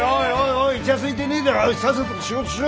おいイチャついてねえでさっさと仕事しろ！